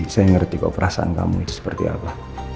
saya ngerti kok perasaan kamu itu seperti apa